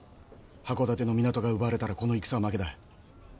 箱館の港が奪われたらこの戦は負けだ。